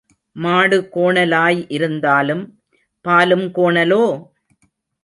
மாடு கோணலாய் இருந்தாலும் பாலும் கோணலோ?